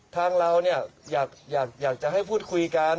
ทางเราอยากจะให้พูดคุยกัน